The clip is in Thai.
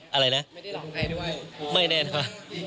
ไม่ได้ลองใครด้วย